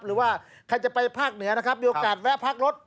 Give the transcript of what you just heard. หรือว่าใครจะไปภาคเหนือนะครับมีโอกาสแวะพักรถ